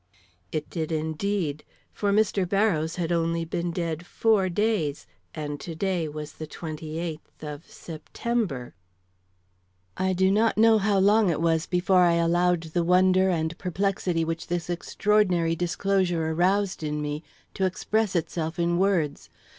It did indeed. For Mr. Barrows had only been dead four days, and to day was the twenty eight of September. I do not know how long it was before I allowed the wonder and perplexity which this extraordinary disclosure aroused in me to express itself in words.